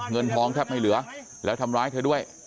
เงินทองแทบไม่เหลือแล้วทำร้ายเธอด้วย